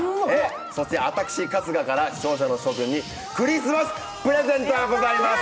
そしてあたくし春日から視聴者の諸君にクリスマスプレゼントがございます。